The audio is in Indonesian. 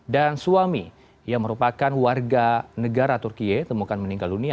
dan suami yang merupakan warga negara turkiye temukan meninggal dunia